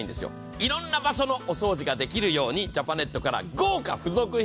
いろんな場所のお掃除ができるように、ジャパネットから豪華付属品。